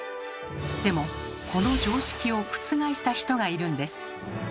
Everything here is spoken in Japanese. でもこの常識をくつがえした人がいるんです。